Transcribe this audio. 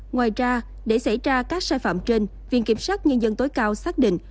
ngoài ra để xảy ra các sai phạm trên viện kiểm sát nhân dân tối cao xác định